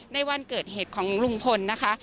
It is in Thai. ในวันเกิดเหตุของลุงพลนะคะ